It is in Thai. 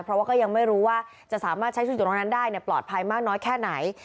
เพราะว่าก็ยังไม่รู้ว่าจะสามารถใช้ชีวิตอยู่ตรงนั้นได้ปลอดภัยมากน้อยแค่ไหน